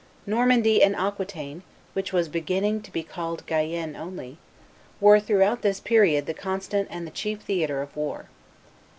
Normandy and Aquitaine, which was beginning to be called Guyenne only, were throughout this period the constant and the chief theatre of war.